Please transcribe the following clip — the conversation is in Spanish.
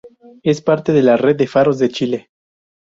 Es parte de la red de faros de Chile.